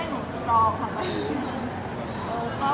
ไม่ชอบกันหรอก